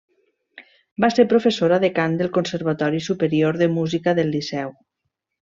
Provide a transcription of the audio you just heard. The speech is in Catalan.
Va ser professora de cant del Conservatori Superior de Música del Liceu.